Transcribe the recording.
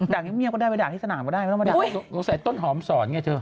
เงียบก็ได้ไปด่าที่สนามก็ได้ไม่ต้องมาด่าสงสัยต้นหอมสอนไงเธอ